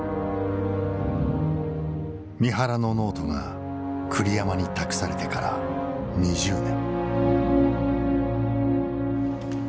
三原のノートが栗山に託されてから２０年。